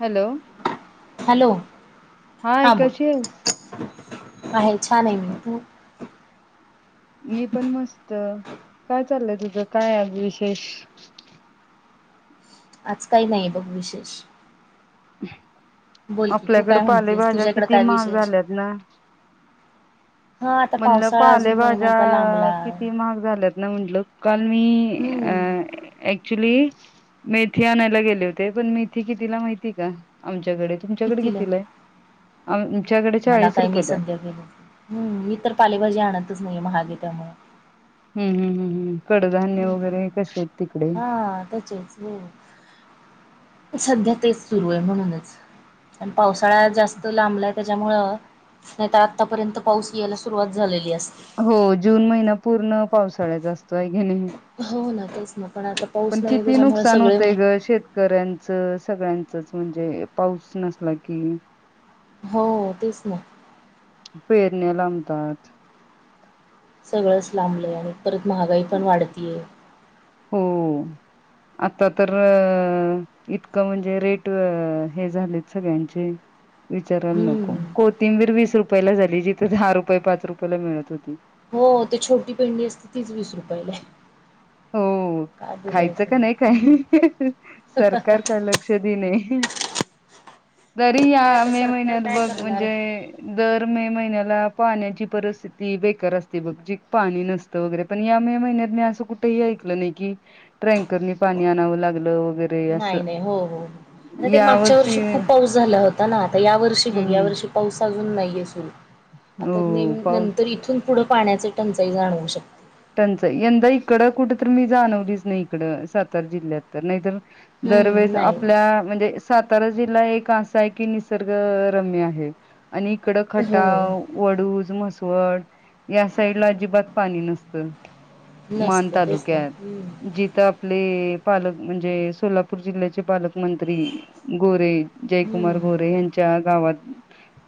Hello. Hello hi हा बोल कशी आहेस. आहे छान आहे मीू तु मी पण मस्त काय चाललंय तुझं काय आज विशेष. आज काही नाही बघ विशेष. बोल की तू आपल्याकड काय म्हणतीयस पालेभाज्या तुझ्याकडे किती काय महाग विशेष झाल्यात ना हा आता म्हणलं पावसाळा अजून नाही ना आता पालेभज्या लांबला किती महाग झाल्यात ना म्हटल काल मी अ हम्म एकच्युली मेथी आणायला गेले होते पण मेथी कितीला माहिती का आ. तुमच्याकडे कितीला किती ला आहे आमच्याकडे मला चाळीस काय मी रुपयेला आहे सध्या केल हम्म मी तर पालेभाजी आणतच नाही महागे त्यामुळ. हम्म हम् हम् हम कडधान्य वगैरे क हा त्याचेच हो सध्या तेच सुरू आहे म्हणूनच. पावसाळ्या जास्त लांबला. त्याच्यामुळ नाही तर आतापर्यंत पाऊस यायला सुरुवात झालेली आहे. हो जून महिना पूर्ण पावसाळ्याचा असतो आहे की नाय हो ना तेच ना पण आता पाऊस पण नाही किती त्याच्यामुळे नुकसान सगळे होतय ग शेतकऱ्यांचं. सगळ्यांचच म्हणजे पाऊस नसला की. हो तेच ना. लांबतात. सगळंच लांबलंय आणि परत महागाई पण वाढतीये. हो. आता तर इतकं म्हणजे रेट हे झालेत सगळ्यांचे. विचारयला नको हम्म कोथिंबीर वीस रुपयाला झाली जिथे दहा रुपये पाच रुपयाला मिळत होती. हो ते छोटी पेंडी असते तीच वीस रुपयला ये. हो. हो खायचं का नाही हम्म काय सरकार का लक्ष दिना तरी या काय आता मे सरकार महिन्यात काय बघ करणार? म्हणजे दर मे महिन्याला पाण्याची परिस्थिती बेकार असते ब पाणी नसतं वगैरे पण या मे महिन्यात मी अस कुठ ऐकल नाही की ट्रॅकर ने पाणी आणाव लाग नाही नाही हो हो आ ते मागच्या वर्षी खूप पाऊस झाला होता ना आता या वर्षी बघ या हम्म वर्षी पाऊस अजून नाहीये सुर हो आता ने पाऊस नंतर इथून पुढं पाण्याच टंचाई जाणवू शकते. टंचाई यंदा इकडं कुठ तर मी जाणवलीच नाही इकड सातारा जिल्ह्यात तर नाहीतर हम्म दरवेळेस नाही. आपल्या म्हणजे सातारा जिल्हा एक असा आहे कि निसर्ग रम्य आहे. आणि इकड हो खटाव वडूज म्हसवड या साईड ला अजिबात पाणी नसत मान नसते तेच ना तालुक्यात हम्म जिथं आपले पालक म्हणजे सोलापूर जिल्ह्याचे पालकमंत्री गोरे जयकुमार हम्म गोरे यांच्या गावात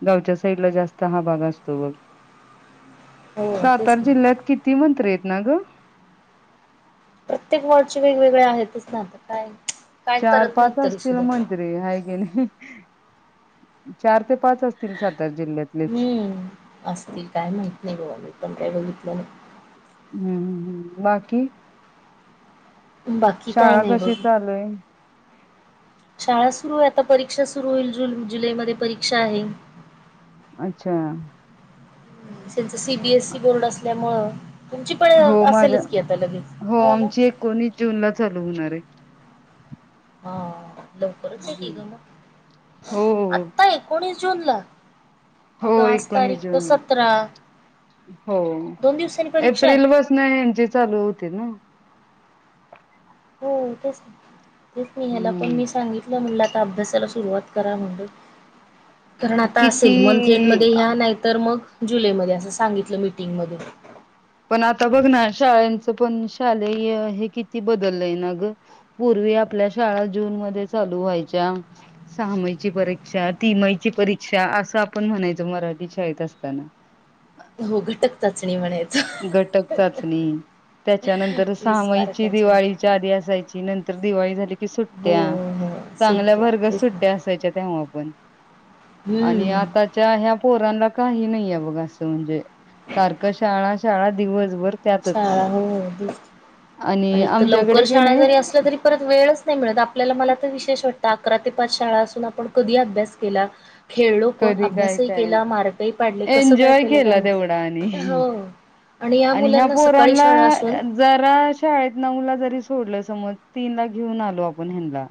गावच्या साईड ला जास्त हा भाग असतो बघ हो तेच सातार ना. जिल्ह्यात किती ञी हाती ना गं [inaudible] प्रत्येक वॉर्डचे वेगवेगळे आहेतच ना आता काय काय चार करत नाहीत पाच तरी असतील सुद्धा मंत्री हाय कनी चार ते पाच असतील सध्या हम्म असतील काय माहित नाही बाबा मी पण काय बघितलं नाही हम् बाकी बाकी काय शाळा नाही बघ शाळा सुरू आहे आता परीक्षा सुरू होईल जून जुलैमध्ये परीक्षा आहे अच्छा त्यांच सीबीएसई बोर्ड असल्यामुंळ हो माझ्या हो ना हा लवकरच आहे की गं मग हो आता एकोणीस जून ला होय एकोणीस जूनला हो दोन दिवसांनी परीक्षा आहे एप्रिल पासून यांची चालू होतील ना हो तेच ना तेच मी ह्याला पण हम्म मी सांगितलं म्हणलं आता अभ्यासाला सुरवात करा म्हणून कारण आता असेल मंथं ऐन्ड किती मध्ये ह्या नाहीत मग जुलैमध्ये असं सांगितलं मीटिंग मध्ये पण आता बघ ना शाळेंच पण शालेय हे किती बदललंय ना गं पुर्विच ते आपल्या शाळा जून मध्ये चालू व्हायच्या सहामाईच्या परीक्षा तीमाई ची परीक्षा च्या असं आपण म्हणायचं मराठी शाळेत असताना हो घटक चाचणी म्हणायचं घटक चाचणी त्याच्यानंतर वीस सहामाईची मार्काच्या. दिवाळीच्या आधी असायची नंतर दिवाळी झाली की हो सुट्ट्या हो चांगल्या सुट्ट्या वर्ग तेच ना सुट्ट्या असायच्या तेव्हा आपण आणि हम्म आताच्या ह्या पोरांना काही नाही बग अस म्हणजे सारख शाळा शाळा दिवसभर त्यातच. शाळा नव्हतीच आणि एक तर आमच्याकडे लवकर की शाळा नाही जरी असल्या तरी परत वेळच नाही मिळत आपल्याला मला तर विशेष वाटतय अकरा ते पाच शाळा असून आपण कधी अभ्यास केला? खेळलो पण कधी काय अभ्यासही काय केला मार्कही पाडले कसं काय एन्जॉय केलं काय केला तेवढा माहित हो आणि या मुलांना सकाळी पोरना शाळा असून जरा शाळेत नऊला जरी सोडल समज तीनदा घेऊन‌ आलो आपण हेणला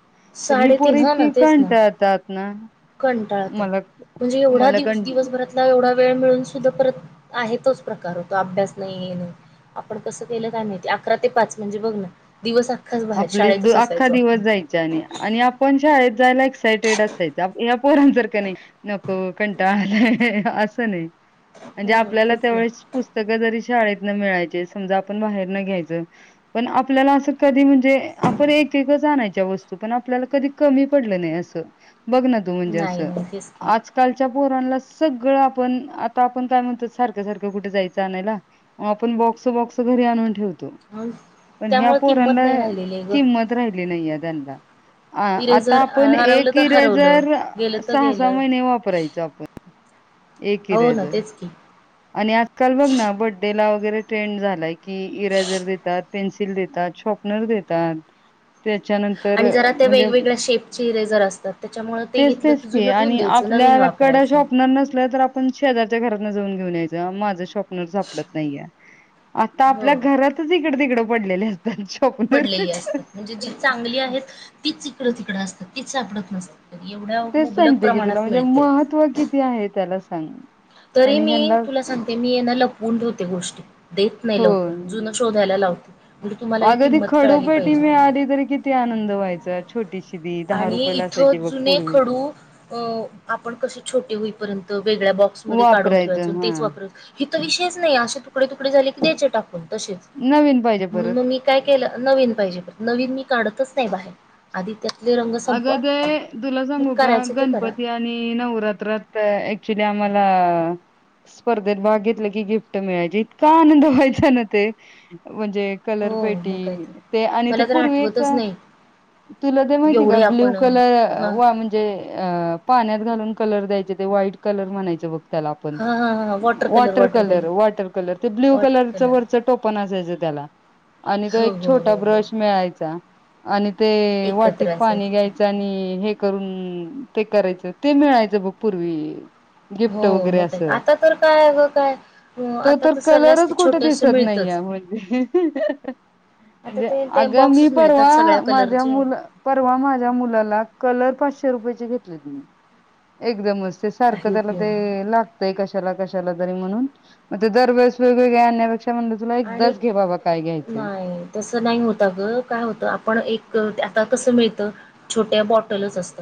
तर ही पोरं साडेतीन हा ना इतकी तेच ना कंटाळतात ना कंटाळतात मला म्हणजे एवढा मला दिव कं दिवसभरातला एवढा वेळ मिळून सुद्धा परत आहे तोच प्रकार होतो अभ्यास नाही नाही आपण कसं केलं का नाही अकरा ते पाच म्हणजे बघ ना दिवस अख्खाच बाहेर आपल शाळेतच अख्खा असायचो दिवस आपण जायच्या आणि -आणि आपण शाळेत जायला एक एक्सायटेड असायच या पोरां जर का नाही नको कंटाळलाय असं नाही म्हणजे हो आपल्याला तेच नाही तेवढेच पुस्तकं जरी शाळेत मिळायचे समजा आपण बाहेर न घ्यायच पण आपल्याला अस कधी म्हणजे आपण एक एकच आणायच्या वस्तू पण आपल्याला कधी कमी पडलं नाही असं बघ ना तू म्हणजे नाही असं नाही तेच की आजकालच्या पोरांला [inaudible] घरी आणून ठेव अ त्यामुळे किंमत र नाही राहिलेली आहे ग किंमत राहिली नाही त्यांना अ आता इरेजर आपण हरवलं एक तर हरवलं इरेझर गेलं तर सहा सहा गेलं महिने वापरायचो आपण एक हो ना इरेजर तेच की आणि आजकाल बघ ना बडडेला वगैरे ट्रेंड झालाय की इरेझर देतात पेन्सिल देतात शॉर्पनर देतात त्याच्यानंतर आणि जरा ते म्हणजे वेगवेगळ्या शेपचे इरेजर असतात त्याच्यामुळे ते तेच घेतलं तेच की ख जुनं ठेवून आणि द्यायचं आपल्या नवीन कड वापरायचं शॉपनर नसल तर आपण शेजारच्या घरात जाऊन घेऊन याय माझा शॉप पडत नाहीये आता आपल्या हो घरातच इकड तिकड पडलेले अस पडलेली असतात म्हणजे जी चांगली आहेत तीच इिकडं तिकडं असतात ती सापडत नसतात तर एवढ्या तेच मुबलक सांगते की तुला प्रमाणात म्हणजे मिळत महत्त्व किती आहे त्याला सांग तरी आणि मी ह्यांना तुला सांगते मी यांना लपवून ठेवते गोष्टी देत नाही लवकर हो. जुनं शोधायला लावते म्हणजे तुम्हाला ही अगं ती किंमत कळाली खडूपेटी पाहिजे मिळाली तरी किती आनंद व्हायचा छोटीशी ती दहा आणि रुपयाला इथ असायची बघ जुने पूर्वी खडू अ आपण कसे छोटे होईपर्यंत वेगळ्या बॉक्समध्ये काढून ठेवायच वापरायचं हा तेच वापर ही तर विषयच नाही असे तुकडे तुकडे झाले की द्याचे टाकून तच नवीन पाहिजे म्हणून परत मग मी काय केलं नवीन पाहिजे नवीन मी काढतच नाही बाहेर आधिक अग ते तुला सांगू का करायचं ते करा गणपती आणि नवरात्रात ऍक्च्युली आम्हाला ला स्पर्धेत भाग घेतलं की गिफ्ट मिळायचे इतका आनंद व्हायचा ना ते म्हणजे हो कलरपेटी मग काय तर ते आणि ते मला तर पूर्वी एक आठवतच नाही तुला ते माहिती त एवढे ब्ल्यू आपण कलर हां वा म्हणजे पाण्यात घालून कलर द्याय वट कलर म्हणायच ब त्याला आप वॉटर कलर वॉटर कलर ते ब्ल्यू वॉटर कलरच कलर वरच टोपण असायचं त्याला आणि तो हो एक हो छोटा हो हो ब्रश मिळायचा आणि ते वाटीत एकत्र पाणी असायचं ते घ्यायचं आणि हे करून ते करायचं ते मिळायचं बघ पूर्वी गिफ्ट हो वगैरे मग काय असं आता तर काय ग काय अ तो आता तर सर्रास ते कलरच कुठे छोटेस दिसत नाही मिळतच. आहे होे आता म्हणजे ते ते अगं मी बॉक्सच मिळतात परवा सगळ्या माझ्या कलरचे मुलं परवा माझ्या मु कलर पाचशे रुपया घेतले म एकम सर्क काही त्याला उपयोग ते नाही लागतय कश दरवेळेस वेगवेगळे आणण्यापेक्षा म्हणलं तुला आणि एकदाच घे बाबा काय घ्यायचंय. नाही तस नाही होत ग काय होत आपण एक आ कस मि छोट्या बॉटलच असत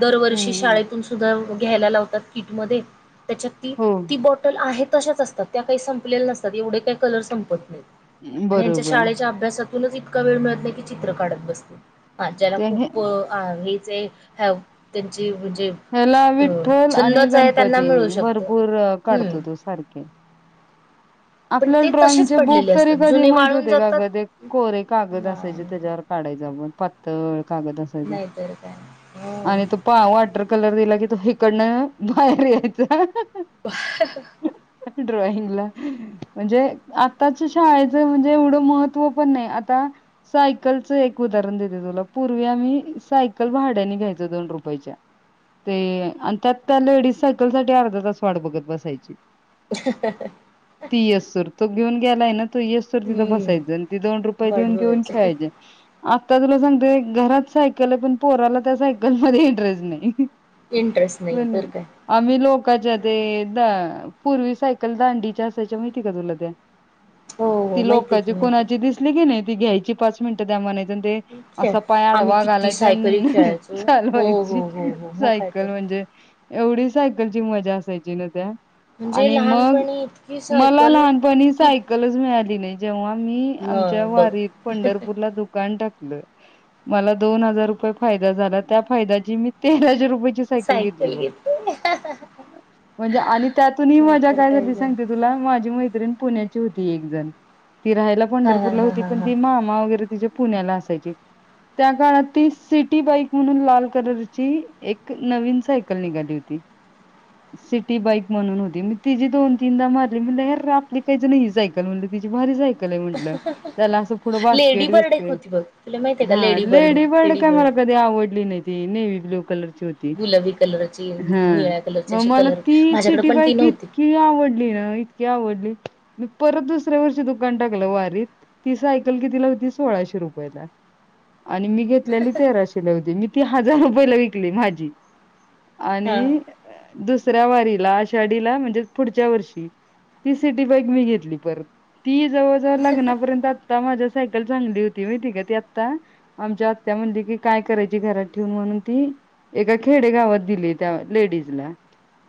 दरवर्षी हम्म हम्म. शाळेतून सुधा घ्यायला लावतात किटमध्ये त्याच्यात ती हो ती बॉटल आहेत तच असतात त्या काही संपल्यातात एवढे काही कलर संपत नाही आणिच्या बरोबर शाळेच्या अभ्यास इतका वेळ मिळत नाही की चित्र काढत बसतो हा ज्याला ते खूप हे हे त्यांची ह्याला विठ्ठल आणि छंदच आहे, त्यांना गणपती मिळू शकत. भरपूर काढतो तो सारखे. पण आपल्याला ते तसेच ड्रॉइंगचे बुक पडलेले तरी असतात कधी जुने माहित वाळून होते का जातात ग ते? कोरे कागद असायचे नाही त्याच्यावर काढ पातळ कागद असायचा नाही तर काय हो आणि तो बघ वॉटर कलर दिला की तो हिकडन बाहेर येईचा. [inaudible] ड्रॉइंग ला म्हणजे आताच्या शाळेचं म्हणजे एवढं महत्त्व पण नाही. आता सायकलचं एक उदाहरण देते तुला, पूर्वी आम्ही सायकल भाड्यानी घेईचो दोन रुपयच्या. ते आणि त्यात त्या लेडीज सायकल साठी अर्धा तास वाट बघत बसायची. [inaudible] ती येस त्वर तो घेऊन गेलाय ना येस तर तिथं बसायचं हम्म आणि ती दोन रुपये वाट देऊन बघायची खेळायचे. ता तुला सांगतेय घरात सायकल आहे पण पोराला त्या सायकल मध्ये इंटरेस्ट नाही. इंटरेस्ट नाही पण तर काय आम्ही लोकाच्या ते पूर्वी सायकल दांडीच्या असायच्या त्या माहिताय का तुला त्या? हो हो ती माहिती आहे लोकची की माहिती आहे. कुणाची दिसली की नाय ती घ्यायची पाच मिनटं द्या म्हणायच. ते खेळ असा पाय आम्ही आडवा किती घालायचा सायकली आणि खेळायचो हो चालवायची हो हो हो मग काय सायकल तर म्हणजे म्हणजे एवढी सायकलची मजा असायची ना त्या? म्हणजे आणि मग लहानपणी इतकीच मला लहानपणी सायकलच मिळाली नाही जेव्हा मी न आमच्या बघ वारीत पंढरपूरला दुकान टाक मला दोन हजार रुपये फायदा झाला त्या फायद्याची मी तेराशे रुपये सायकल घेतली. म्हणजे आणि त्यातूनही मजा नाहीतर काय झाली ग सांगते तुला माझी मैत्रीण पुण्याची होती एक जण ती राहायला हा हा पंढरपूर हा होती. हा पण हा ती मामा वगैरे तजे पुण्याला असायचे. त्या काळात ती सिटी बाईक म्हणून लाल कलरची एक नवीन सायकल निघाली होती. सिटी बाईक म्हणून होती, मी तिची दोन तीनदा [unintelligible] त्याला असं थोडं लेडी बास्केट बर्ड एक होती बघ तुला बिस्कीट माहितीय का हा लेडी बर्ड लेडी काय मला कधी आवडली नाय ती नेव्ही ब्लू कलरची होती, गुलाबी कलरची हा निळ्या कलरची हो असे मला ती कलर ती माझ्याकडे सिटी पण ती बाईक नव्हती इतकी आवडली ना इतकी आव परत दुसऱ्या वर्षी दुकान टाकला वारीत ती सायल कितीला होती सोळाशे रुपयला. [inaudible] आणि मी घेतलेली तेराशे ला होती मी ती हजार रुपयला विकली माझी हा आणि दुसऱ्या वारीला आषाढीला म्हणजे पुढच्या वर्षी ती सिटी बॅक मी घेतली परत. ती जवळ जवळ लग्नापर्यंत आता माझ्या सायकल चांगली होती माहिताय का आता आमच्या आ म्हण की काय करायची घरात ठेऊून म्हणून ती एका खेडे गावात दिले त्या लेडीजला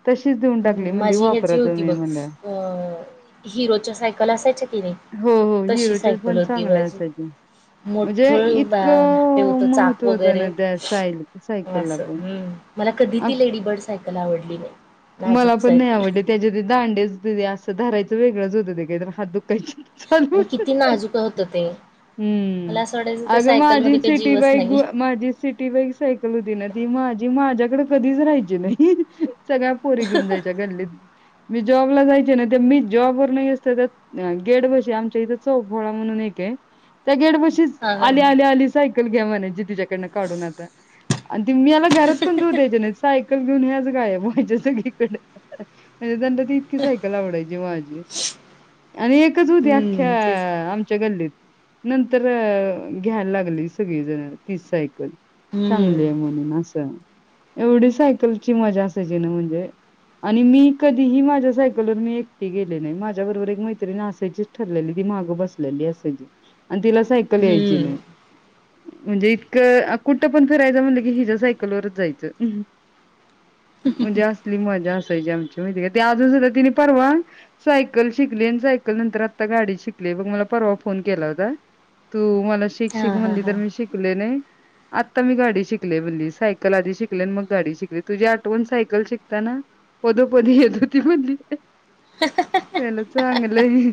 तशीच देऊन टाकली हम्म, म्हणजे माझी ह्याची वपरतच होती नाही बघ म्हटल्याव अ हिरोच्या सायकल असायच्या कि नाही हो हो तशी हिरोच्या सायकल पण होती चांगल्या माझी. असायच्या म्हणजे मोठळ इतकं होत चाक महत्त्व होतं ना वगैरे त्या साय सायकलला असं पण हम्म मला कधी ती लेडीबर्ड सायकल आवडली नाही नाजूक मला पण नाही सायकल आवडली त्याच्या ते दांडेच असं धरायचं वेगळंच होतं ते काही तर हात दुखायचे. आणि किती नाजुक होत ते. मला हम्म असं वाटायचं त्या अगं माझी सायकलमध्ये काही सिटी जीवच बाईक नाहीये. माझी सिटी बाईक सायकल होती. ती माझी माझ्याकडे कधीच राहायची नाही सगळ्या पोरी घेऊन जायच्या गल्लीत. मी जॉब ला जायचे नाही मी जॉब वर नाही असत त्या गेट बशी आमच्या इथे चौप होळा म्हणून एक आहे त्या गेड बशी हां हां आली हां. आली आली सायकल घ्यावा म्हण जी तिच्याकडनं काढून आता त मी याला घरात पण जाऊ दयच्या नाही सायकल घेऊन या सण त्यां इत सायकल आवड आणि एकच होती अख्ख्या हम्म तेच आमच्या गल्लीत नंतर घ्यायला लागली सगळी जण ती सायकल चांगले हम्म. आहे म्हणून असं एवढी सायकलची मजा असायची ना म्हणजे आणि मी कधीही माझ्या सायकल वर मी एकटी गेले नाही माझ्या बरोबर एक मैत्रिण असायचीच ठरलेली ती मागं बसलेली असायची आणि तिला सायकल यायची हम्म. नाही म्हणजे इतकं कुठं पण फिरायचं म्हणलं की हिच्या सायकलवरच जायचं म्हणजे असली मजा असायची आमची माहिती का ते अजून सुद्धा तिने परवा सायकल शिकली आणि सायकल नंतर आता गाडी शिकली बग मला परवा फोन केला होता तू मला शिक शिक हां हां म्हणली तर हां. मी शिकले नाही आत्ता मी गाडी शिकले म्हणली सायकल आधी शिकले आणि मग गाडी शिकली तुझी आठवण सायकल शिकता ना पदोपद येत होती म्हणली [unintelligible] चांगलं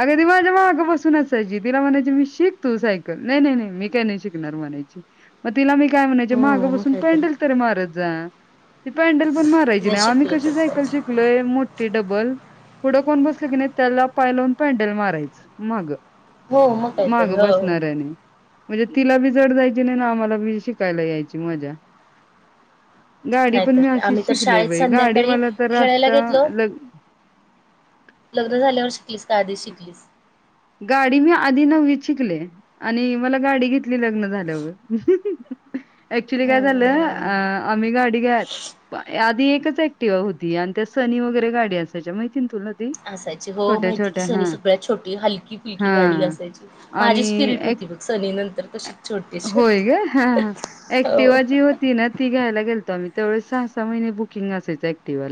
अग ती माझ्या मागं बसून असायची तिला म्हणायची मी शिक तु सायकल नाही नाही नाही मी काय नाही शिकणार म्हणायची मग तिला मी काय म्हणाय हो मागं मग बसून काय तर. पायंडल तरी मारत जा ती पायंडल पण मारायची नाही आम्ही शिकलं कशी तर सायकल पाहिजे. शिकलोय डबल पुढं कोण बसले की नाही त्याला पाय लावून पॅडल मारायच माग हो मग काय तर मागं हो. हो. बसणाऱ्याने म्हणजे तिला बी जड जायची नाही ना आम्हाला बी शिकायला यायची मजा गाडी पण नाहीतर मी काय आम्ही अशीच तर शिकली शाळेत बा गाडी संध्याकाळी मला तर खेळायला आता घेतलो ल लग्न झाल्यावर शिकलीस का आधी शिकलीस गाडी मी आधी नवीत शिकले आणि मला गाडी घेतली लग्न झाल्यावर अऍक्च्युली काय होय होय. झालं अ होय. आम्ही गाडी घ्यात आधी एकच ॲक्टिव्हा होती आणि त्या सनी वगैरे गाडी असायच्या माहिती तुला ती असायची हो छोट्या माहिती की छोट्या सनी हा सगळ्यात छोटी हली लकी गाडी हा असायची आणि माझी स्पिरिट एक होती बघ सनी नंतर कशीच छोटीशी हो अँक्टिव्हा जी होती ना ती घ्यायला गे मी तेवढ सहा सहा महिने बुकिंग असायचं अँक्टिव्हाला